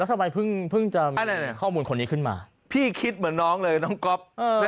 ทำไมเพิ่งจะมีข้อมูลคนนี้ขึ้นมาพี่คิดเหมือนน้องเลยน้องก๊อฟ